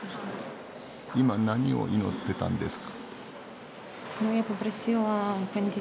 今何を祈ってたんですか？